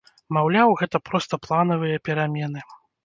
Маўляў, гэта проста планавыя перамены.